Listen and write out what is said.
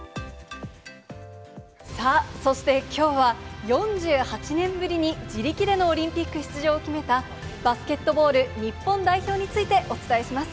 さあ、そしてきょうは４８年ぶりに自力でのオリンピック出場を決めた、バスケットボール日本代表についてお伝えします。